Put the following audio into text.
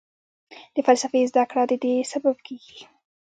د فلسفې زده کړه ددې سبب کېږي.